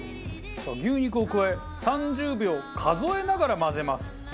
さあ牛肉を加え３０秒数えながら混ぜます。